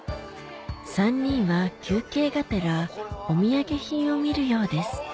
３人は休憩がてらお土産品を見るようです